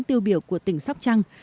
tiêu biểu của tỉnh sắp trăng